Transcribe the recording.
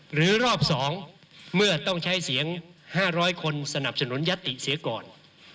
รอบ๒เมื่อต้องใช้เสียง๕๐๐คนสนับสนุนยัตติเสียก่อน